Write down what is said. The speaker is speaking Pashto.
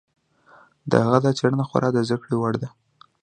د هغه دا څېړنه خورا د زده کړې وړ ده.